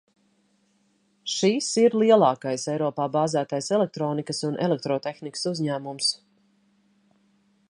Šis ir lielākais Eiropā bāzētais elektronikas un elektrotehnikas uzņēmums.